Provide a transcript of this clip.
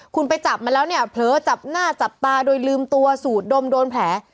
คุณไปจับมาแล้วเนี่ยเผลอจับหน้าจับตาโดยลืมตัวสูดดมโดนแผล